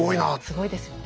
すごいですよね。